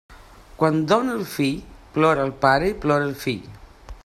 Quan dóna el fill, plora el pare i plora el fill.